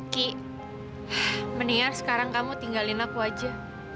ki mendingan sekarang kamu tinggalin aku aja